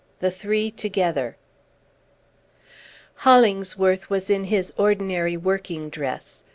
THE THREE TOGETHER Hollingsworth was in his ordinary working dress.